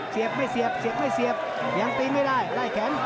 ไม่เสียบเสียบไม่เสียบยังตีไม่ได้ไล่แขน